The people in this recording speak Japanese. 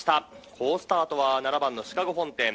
「好スタートは７番のシカゴフォンテン」